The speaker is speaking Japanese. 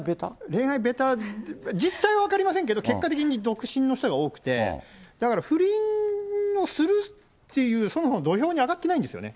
恋愛下手、実態は分かりませんけど、結果的に独身の人が多くて、だから不倫をするっていう、そもそも土俵に上がってないんですよね。